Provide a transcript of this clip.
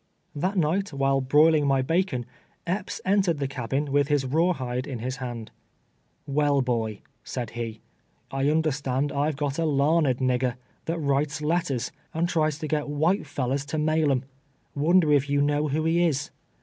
That night, while broiling my bacon, Epps entered the cabin with his rawhide in his hand. "Well, boy," said he, "I understand I've got a larned nigger, that writes letters, and tries to get white felhnvs to mail 'em, "Wonder if you know who he is